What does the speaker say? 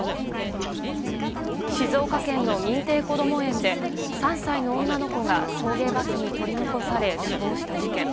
静岡県の認定こども園で３歳の女の子が送迎バスに取り残され死亡した事件。